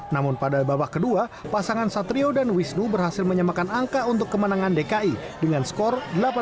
namun pada babak kedua pasangan satrio dan wisnu berhasil menyemakan angka untuk kemenangan dki dengan skor delapan satu